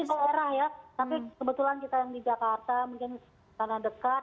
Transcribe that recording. ini di kolera ya tapi kebetulan kita yang di jakarta mungkin tanah dekat